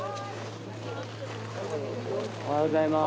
おはようございます。